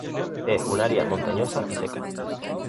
Es un área montañosa y seca.